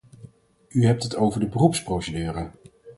U hebt het over de beroepsprocedure.